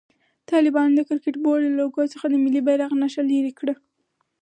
طالبانو د کرکټ بورډ له لوګو څخه د ملي بيرغ نخښه لېري کړه.